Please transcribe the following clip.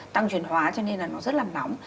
tăng truyền hóa cho nên là nó rất là nóng